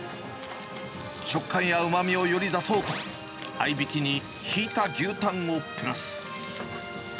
食感やうまみをより出そうと合いびきに、ひいた牛タンをプラス。